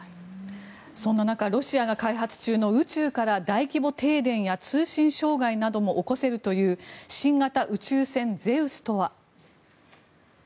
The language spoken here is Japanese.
そんな中ロシアが開発中の宇宙から大規模停電や通信障害なども起こせるという新型宇宙船ゼウスとは？